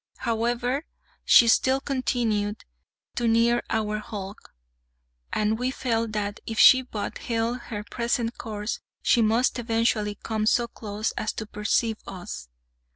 However, she still continued to near our hulk, and we felt that, if she but held her present course, she must eventually come so close as to perceive us.